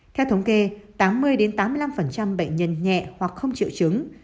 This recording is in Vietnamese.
theo thống kê tám mươi tám mươi năm bệnh nhân nhẹ hoặc không triệu chứng